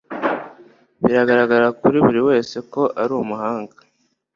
Biragaragara kuri buri wese ko ari umuhanga